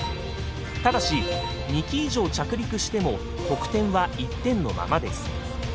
ただし２機以上着陸しても得点は１点のままです。